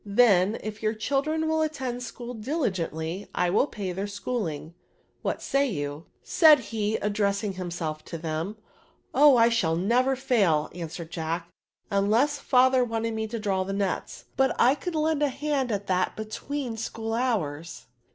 Then, if your children will attend school diligently, I will pay their schooling; what say you? said he, addressing himself to them. ^^ Ohj I should never fail," answered Jack, " imless fiithefr wanted me to draw the nets ; but I could lend a hand at that between school hours."